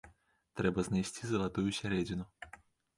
Трэба знайсці залатую сярэдзіну.